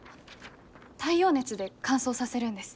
太陽熱で乾燥させるんです。